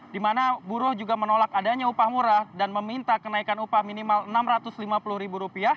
di mana buruh juga menolak adanya upah murah dan meminta kenaikan upah minimal rp enam ratus lima puluh